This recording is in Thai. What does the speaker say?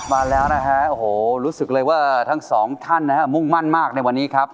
มาแล้วนะฮะโอ้โหรู้สึกเลยว่าทั้งสองท่านนะฮะมุ่งมั่นมากในวันนี้ครับ